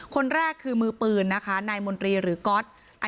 คนแรกคือมือปืนนายมนตรีอือก๊อต